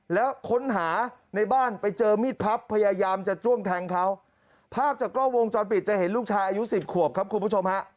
แล้วค้นหาในบ้านไปเจอมีดพับพยายามจะจ้วงแทงเขาภาพจากกล้องวงจรปิดจะเห็นลูกชายอายุสิบขวบครับคุณผู้ชมฮะ